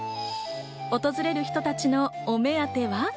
訪れる人たちのお目当ては？